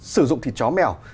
sử dụng thịt chó mèo